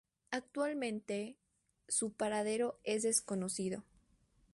Actualmente, su paradero es desconocido.